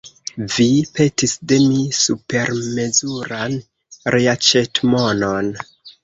Vi petis de mi supermezuran reaĉetmonon.